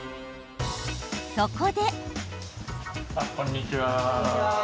そこで。